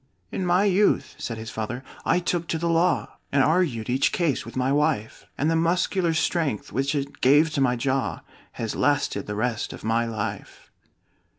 "In my youth," said his father, "I took to the law, And argued each case with my wife; And the muscular strength which it gave to my jaw, Has lasted the rest of my life."